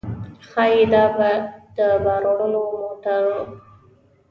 ښايي دا به د بار وړلو موټر و.